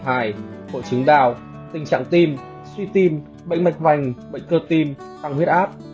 hội chứng đau tình trạng tim suy tim bệnh mạch vành bệnh cơ tim tăng huyết áp